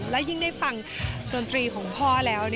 และยิ่งได้ฟังดนตรีของพ่อแล้ว